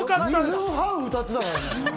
２分半だったからね。